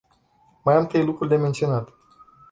Mai am trei lucruri de menționat.